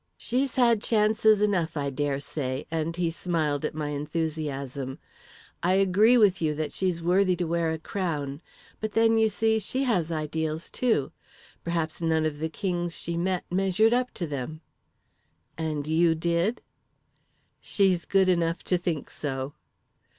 "'She's had chances enough, I dare say,' and he smiled at my enthusiasm. 'I agree with you that she's worthy to wear a crown; but then, you see, she has ideals, too. Perhaps none of the kings she met measured up to them.' "'And you did?' "'She's good enough to think so.'